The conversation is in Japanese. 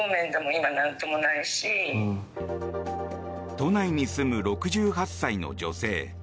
都内に住む６８歳の女性。